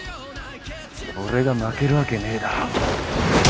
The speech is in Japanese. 俺が負けるわけねえだろ